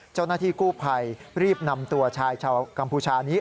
เจ้าหน้าที่กู้ภัยรีบนำตัวชายชาวกัมพูชานี้